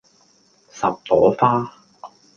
十朵花